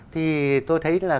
thì tôi thấy là